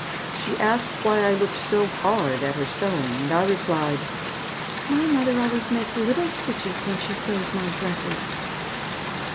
She asked why I looked so hard at her sewing, and I replied, "My mother always makes little stitches when she sews my dresses."